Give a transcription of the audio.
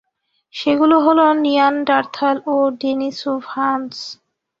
সেগুলো হলো নিয়ানডার্থাল ও ডেনিসোভানস।